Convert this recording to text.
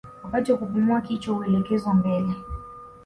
Wakati wa kupumua kichwa huelekezwa mbele